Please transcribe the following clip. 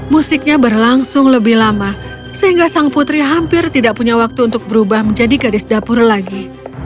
musiknya berlangsung lebih lama sehingga sang putri hampir tidak punya waktu untuk berubah menjadi gadis dapur lagi